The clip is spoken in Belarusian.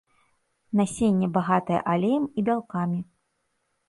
Насенне багатае алеем і бялкамі.